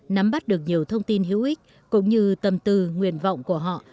nắm bắt được nhiều thông tin hữu ích cũng như tâm tư nguyện vọng của họ